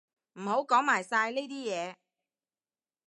唔好講埋晒呢啲嘢